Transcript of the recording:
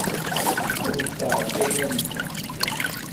Ur nettɛeḍḍil ad neffeɣ seg-a.